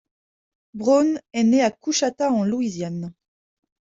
Browne est né à Coushatta, en Louisiane.